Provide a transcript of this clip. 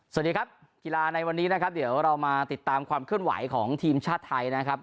สวัสดีครับกีฬาในวันนี้นะครับเดี๋ยวเรามาติดตามความเคลื่อนไหวของทีมชาติไทยนะครับ